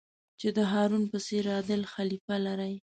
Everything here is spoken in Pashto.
چې د هارون په څېر عادل خلیفه لرئ.